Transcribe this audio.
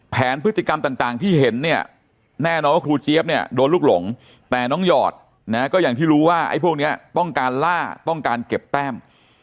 แผนพฤติกรรมต่างที่เห็นเนี่ยแน่นอนว่าครูเจี๊ยบเนี่ยโดนลูกหลงแต่น้องหยอดนะก็อย่างที่รู้ว่าไอ้พวกนี้ต้องการล่าต้องการเก็บแต้ม